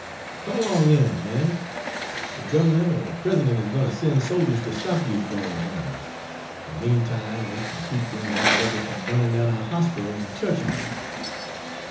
Come along in! Be men! De gov'ner er de President is gwine ter sen' soldiers ter stop dese gwines on, an' meantime we kin keep dem white devils f'm bu'nin' down our hospittles an' chu'ch houses.